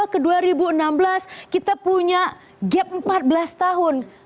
dua ribu dua ke dua ribu enam belas kita punya gap empat belas tahun